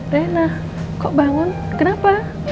rena kok bangun kenapa